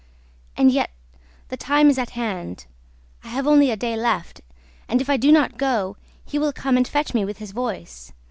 And yet the time is at hand; I have only a day left; and, if I do not go, he will come and fetch me with his voice.